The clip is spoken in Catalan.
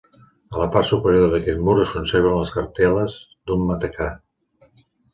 A la part superior d'aquest mur es conserven les cartel·les d'un matacà.